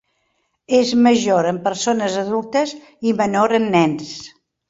És major en persones adultes i menor en nens.